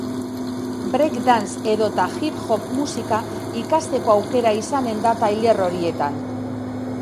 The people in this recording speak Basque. Break dance edota hip hop musika ikastekoaukera izanen da tailer horietan.